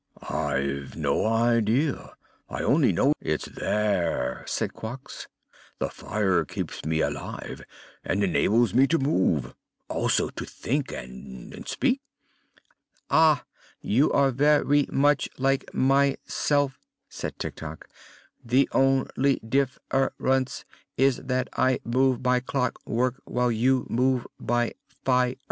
"I've no idea. I only know it's there," said Quox. "The fire keeps me alive and enables me to move; also to think and speak." "Ah! You are ver y much like my self," said Tik Tok. "The on ly dif fer ence is that I move by clock work, while you move by fire."